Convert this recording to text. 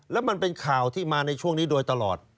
แล้วมันเป็นข่าวที่มาในช่วงนี้โดยตลอด